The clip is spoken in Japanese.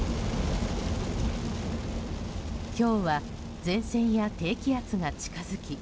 今日は前線や低気圧が近づき